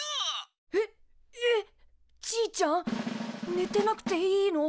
ねてなくていいの？